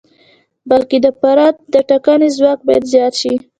بلکې د فرد د ټاکنې ځواک باید زیات شي.